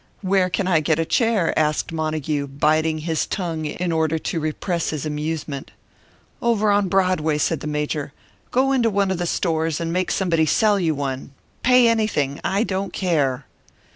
"Where can I get a chair?" asked Montague, biting his tongue in order to repress his amusement. "Over on Broadway," said the Major. "Go into one of the stores, and make somebody sell you one. Pay anything I don't care."